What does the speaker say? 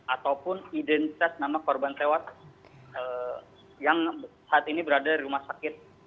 ataupun identitas nama korban tewas yang saat ini berada di rumah sakit